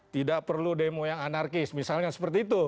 tidak perlu demo yang anarkis misalnya seperti itu